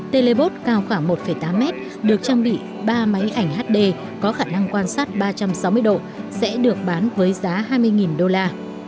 telebot cao khoảng một tám mét được trang bị ba máy ảnh hd có khả năng quan sát ba trăm sáu mươi độ sẽ được bán với giá hai mươi đô la